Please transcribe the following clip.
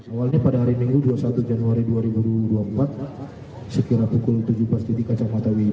awalnya pada hari minggu dua puluh satu januari dua ribu dua puluh empat sekira pukul tujuh belas titik kacamata wifi